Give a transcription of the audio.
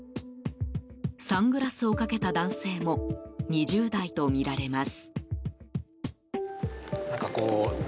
サングラスをかけた男性も２０代とみられます。